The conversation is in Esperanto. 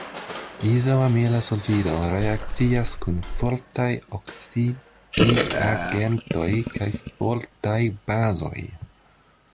Izoamila sulfido reakcias kun fortaj oksidigagentoj kaj fortaj bazoj.